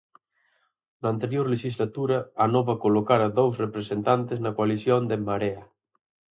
Na anterior lexislatura, Anova colocara dous representantes na coalición de En Marea.